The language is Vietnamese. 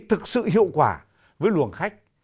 thực sự hiệu quả với luồng khách